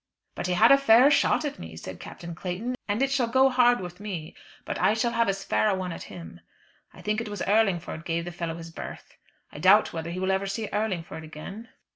"But he had a fair shot at me," said Captain Clayton, "and it shall go hard with me but I shall have as fair a one at him. I think it was Urlingford gave the fellow his birth. I doubt whether he will ever see Urlingford again."